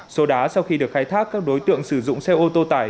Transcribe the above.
số đá sau khi được khai thác các đối tượng sử dụng xe ô tô tải